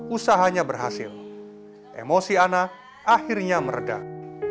usahanya berhasil emosi ana akhirnya meredah